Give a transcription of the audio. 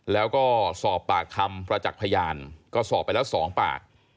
แล้วก็สอบปากคำประจักษ์พยานก็สอบไปแล้ว๒ปาก